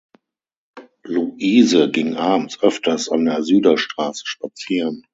Luise ging abends öfters an der Süderstraße spazieren.